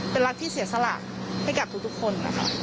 เป็นลักษณ์ที่เสียสลักให้กับทุกคน